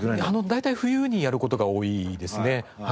大体冬にやる事が多いですね。